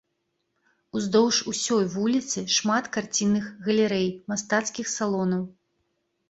Ўздоўж усёй вуліцы шмат карцінных галерэй, мастацкіх салонаў.